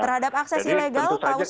terhadap akses ilegal pak ustadz